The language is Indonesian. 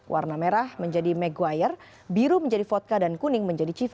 warna merah menjadi meguire biru menjadi voka dan kuning menjadi chief